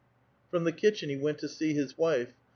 From the kitchen he went to sec his wife.